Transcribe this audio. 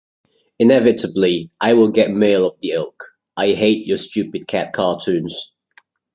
Inevitably, I will get mail of the ilk, 'I hate your stupid cat cartoons!